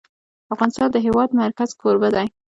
افغانستان د د هېواد مرکز کوربه دی.